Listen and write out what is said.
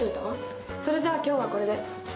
それじゃあ今日はこれで。